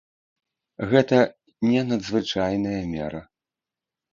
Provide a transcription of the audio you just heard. Гэта не надзвычайная мера.